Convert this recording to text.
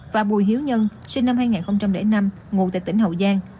và bùi hiếu nhân sinh năm hai nghìn năm ngụ tại tỉnh hậu giang